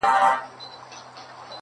• دوه لاسونه پر دوو پښو باندي روان وو -